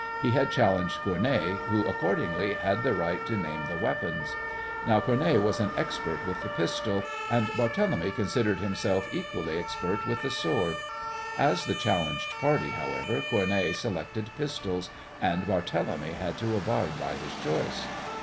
He had challenged Cournet, who, accordingly, had the right to name the weapons. Now, Cournet was an expert with the pistol, and Barthélemy considered himself equally expert with the sword. As the challenged party, however, Cournet selected pistols, and Barthélemy had to abide by his choice.